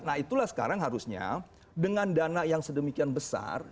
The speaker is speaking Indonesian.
nah itulah sekarang harusnya dengan dana yang sedemikian besar